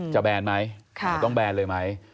แบนไหมต้องแบนเลยไหม